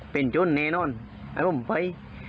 เป็นทรนแน่นอนมันบอกไว้